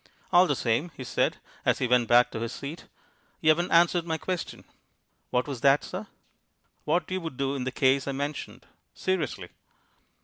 "All the same," he said, as he went back to his seat, "you haven't answered my question." "What was that, sir?" "What you would do in the case I mentioned. Seriously."